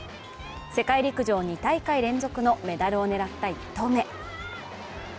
世界陸上２大会連続のメダルを狙った１投目。